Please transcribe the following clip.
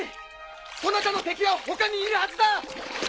そなたの敵は他にいるはずだ！